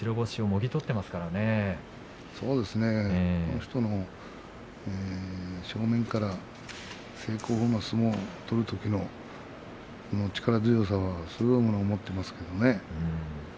この人の正面から正攻法の相撲を取るときの力強さすごいものを持っていますね。